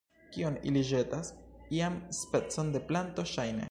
Kion ili ĵetas? ian specon de planto, ŝajne